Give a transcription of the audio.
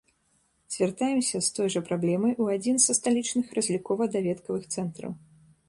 Звяртаемся з той жа праблемай у адзін са сталічных разлікова-даведкавых цэнтраў.